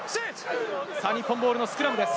日本ボールのスクラムです。